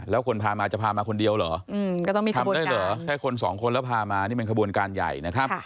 แล้วคนพามาจะพามาคนเดียวเหรอทำได้เหรอแค่คนสองคนแล้วพามานี่เป็นขบวนการใหญ่นะครับ